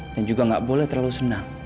dan juga gak boleh terlalu senang